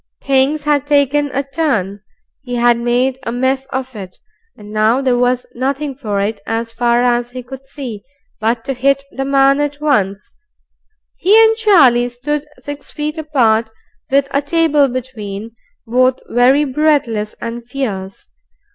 Things had taken a turn. He had made a mess of it, and now there was nothing for it, so far as he could see, but to hit the man at once. He and Charlie stood six feet apart, with a table between, both very breathless and fierce.